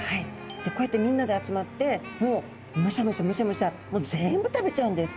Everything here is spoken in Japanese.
こうやってみんなで集まってもうむしゃむしゃむしゃむしゃ全部食べちゃうんです。